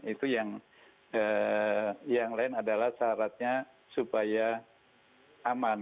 itu yang lain adalah syaratnya supaya aman